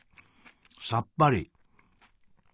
さっぱり！